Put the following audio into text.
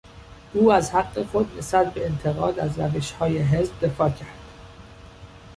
او از حق خود نسبت به انتقاد از روشهای حزب دفاع کرد.